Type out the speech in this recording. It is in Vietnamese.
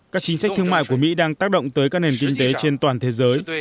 các chính sách thương mại của mỹ đang tác động tới các nền kinh tế trên toàn thế giới